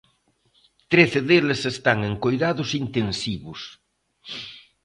Trece deles están en coidados intensivos.